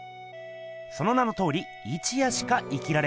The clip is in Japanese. その名のとおり一夜しか生きられない